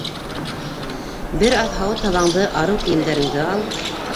Бер аҙ һауыт-һабаңды, арыу кейемдәреңде ал.